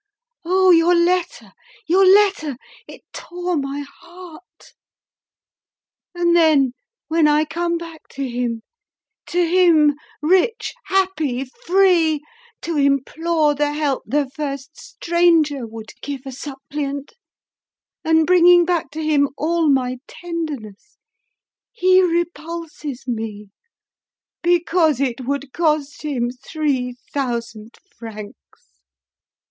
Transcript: Oh, your letter! your letter! it tore my heart! And then when I come back to him to him, rich, happy, free to implore the help the first stranger would give, a suppliant, and bringing back to him all my tenderness, he repulses me because it would cost him three thousand francs!"